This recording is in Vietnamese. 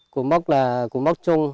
của mốc là của mốc chung